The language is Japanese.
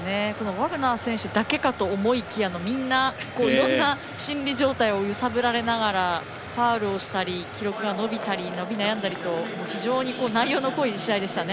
ワグナー選手だけかと思いきやみんな、いろんな心理状態を揺さぶられながらファウルをしたり記録が伸びたり伸び悩んだりと非常に内容の濃い試合でした。